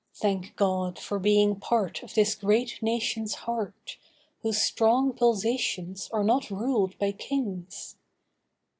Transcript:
Thank God for being part of this great nation's heart, Whose strong pulsations are not ruled by kings.